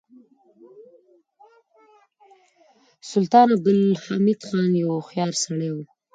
سلطان عبدالحمید خان یو هوښیار سړی و.